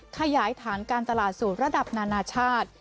ขยายฐานการตลาดสู่ระดับนานาชาติ